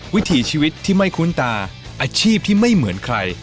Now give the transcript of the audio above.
วิถีชีวิตที่ไม่คุ้นตาอาชีพที่ไม่เหมือนใคร